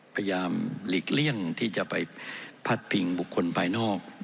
พยายามหลีกเลี่ยงที่จะไปพัดพิงบุคคลภายนอก